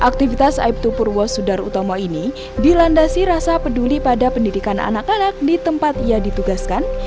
aktivitas aibtu purwo sudar utomo ini dilandasi rasa peduli pada pendidikan anak anak di tempat ia ditugaskan